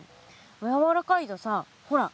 やわらかいとさほら